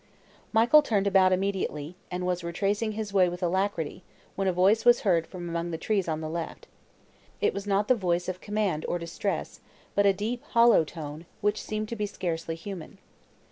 Michael turned about immediately, and was retracing his way with alacrity, when a voice was heard from among the trees on the left. It was not the voice of command, or distress, but a deep hollow tone, which seemed to be scarcely human.